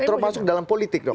terus masuk dalam politik dok